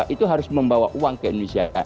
itu harus membawa uang ke indonesia